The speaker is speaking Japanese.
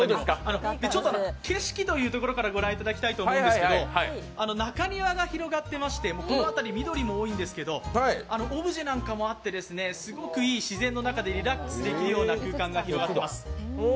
ちょっと景色というところからご覧いただきたいと思うんですが中庭が広がってまして、この辺り緑も多いんですけどオブジェなんかもあってすごくいい自然の中でリラックスできるような空間が広がっています。